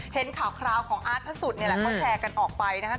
เห็นข่าวคราวของอาร์ตพระสุทธิ์ก็แชร์กันออกไปนะครับ